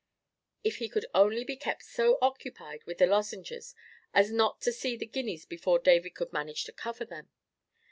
If he could only be kept so occupied with the lozenges as not to see the guineas before David could manage to cover them!